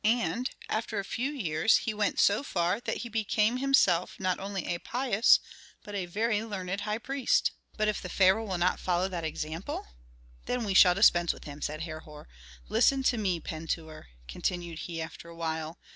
And, after a few years, he went so far that he became himself not only a pious, but a very learned high priest." "But if the pharaoh will not follow that example?" "Then we shall dispense with him," said Herhor. "Listen to me Pentuer," continued he, after a while.